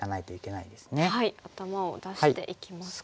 頭を出していきますか。